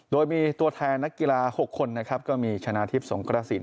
โดยมีตัวแทนนักกีฬา๖คนนะครับก็มีชนะทิพย์สงกระสิน